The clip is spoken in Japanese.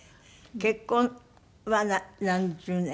結婚は何十年？